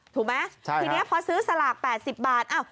ถูกไหมใช่ครับทีนี้พอซื้อสลากแปดสิบบาทอ้าว